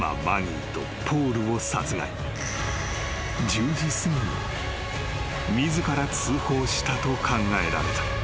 ・［１０時すぎに自ら通報したと考えられた］